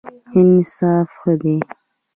انصاف ښه دی.